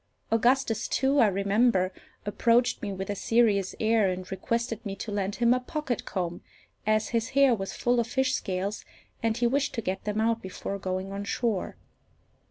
Augustus, too, I remember, approached me with a serious air, and requested me to lend him a pocket comb, as his hair was full of fish scales, and he wished to get them out before going on shore.